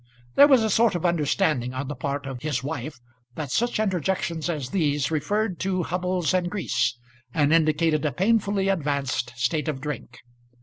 There was a sort of understanding on the part of his wife that such interjections as these referred to Hubbles and Grease, and indicated a painfully advanced state of drink.